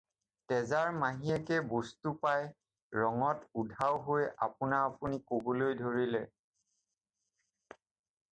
তেজাৰ মাহীয়েকে বস্তু পাই ৰঙত উধাও হৈ আপোনা-আপুনি ক'বলৈ ধৰিলে।